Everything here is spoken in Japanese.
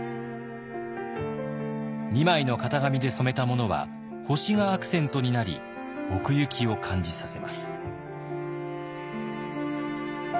２枚の型紙で染めたものは星がアクセントになり奥行きを感じさせます。